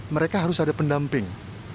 mereka harus ada pendamping